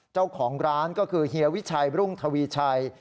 เจ้าของร้านก็คือเฮียวิชัยรุ่งทวีชัย